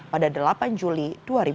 pada delapan juli dua ribu dua puluh